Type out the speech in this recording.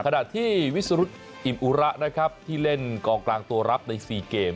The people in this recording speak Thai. ขณะที่วิสรุธอิมอุระนะครับที่เล่นกองกลางตัวรับใน๔เกม